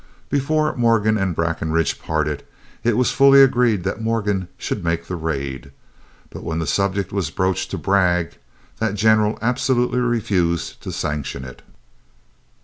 Before Morgan and Breckinridge parted, it was fully agreed that Morgan should make the raid. But when the subject was broached to Bragg, that general absolutely refused to sanction it.